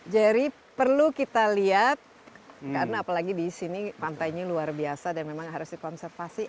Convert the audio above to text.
jadi perlu kita lihat karena apalagi di sini pantainya luar biasa dan memang harus dikonservasi